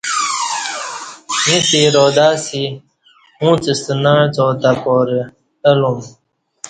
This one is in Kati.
ییں ارادہ اسی اُݩڅ ستہ نع څا تہ پارہ الوم